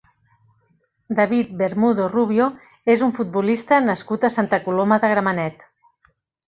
David Bermudo Rubio és un futbolista nascut a Santa Coloma de Gramenet.